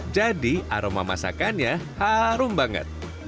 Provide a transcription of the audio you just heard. jadi aroma masakannya harum banget